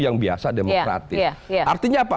yang biasa demokratis artinya apa